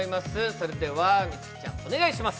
それでは美月ちゃん、お願いします。